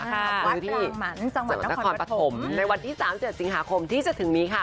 คือที่สมัครนครปฐมในวันที่๓เจือสิงหาคมที่จะถึงนี้ค่ะ